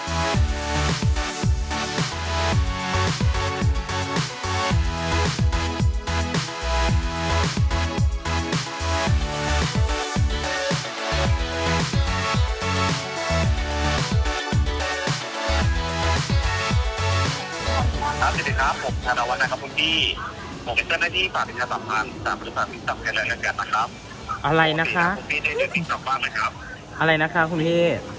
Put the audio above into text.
อะไรนะคะเรียบบ้างเลยครับอะไรนะคะพี่